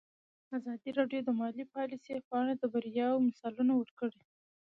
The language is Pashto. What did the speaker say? ازادي راډیو د مالي پالیسي په اړه د بریاوو مثالونه ورکړي.